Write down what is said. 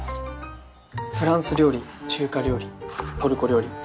フランス料理中華料理トルコ料理。